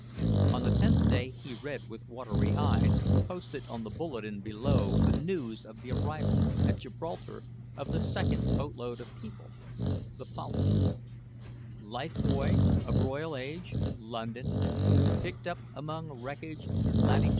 On the tenth day he read with watery eyes, posted on the bulletin below the news of the arrival at Gibraltar of the second boat load of people, the following: "Life buoy of Royal Age, London, picked up among wreckage in Lat.